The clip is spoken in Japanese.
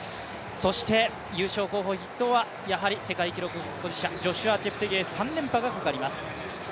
そして優勝候補筆頭はやはり世界記録保持者、ジョシュア・チェプテゲイ３連覇がかかります。